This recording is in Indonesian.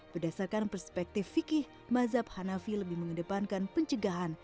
berdasarkan perspektif fikih mazhab hanafi lebih mengedepankan pencegahan